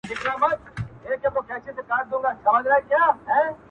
د لاس په دښته كي يې نن اوښكو بيا ډنډ جوړ كـړى،